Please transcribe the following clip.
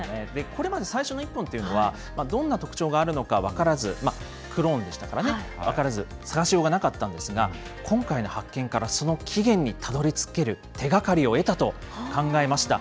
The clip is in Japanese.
これまで最初の１本っていうのはどんな特徴があるのか分からず、クローンでしたからね、分からず、探しようがなかったんですが、今回の発見から、その起源にたどりつける手がかりを得たと考えました。